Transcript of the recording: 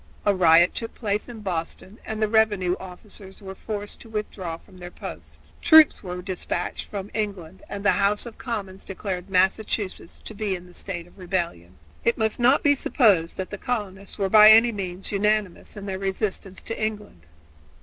A riot took place at Boston, and the revenue officers were forced to withdraw from their posts. Troops were dispatched from England and the House of Commons declared Massachusetts to be in a state of rebellion. It must not be supposed that the colonists were by any means unanimous in their resistance to England.